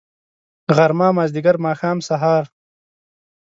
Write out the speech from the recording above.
غرمه . مازدیګر . ماښام .. سهار